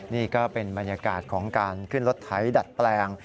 นี่ก็เป็นบรรยากาศของการขึ้นรถไถดัดแปลง